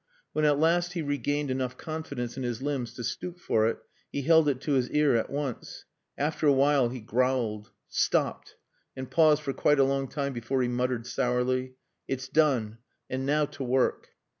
When at last he regained enough confidence in his limbs to stoop for it he held it to his ear at once. After a while he growled "Stopped," and paused for quite a long time before he muttered sourly "It's done.... And now to work."